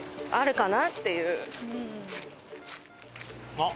あっ！